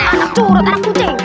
anak curut anak kucing